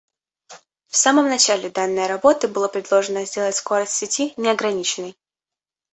В самом начале данной работы было предложено сделать скорость сети неограниченной